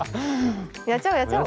やっちゃおうやっちゃおう。